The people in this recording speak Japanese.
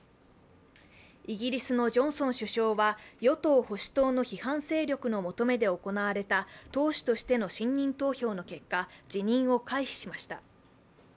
イギリスのジョンソン首相は与党・保守党の批判勢力の求めで行われた党首としての信任投票の結果、辞任を回避しました。